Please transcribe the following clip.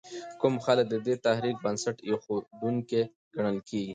کوم خلک د دې تحریک بنسټ ایښودونکي ګڼل کېږي؟